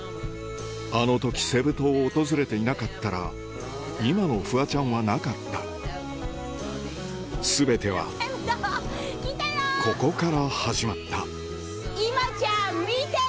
あの時セブ島を訪れていなかったら今のフワちゃんはなかった全てはここから始まった今ちゃん見てる？